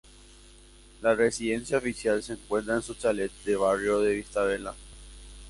La Residencia Oficial se encuentra en un chalet del barrio de Vistabella.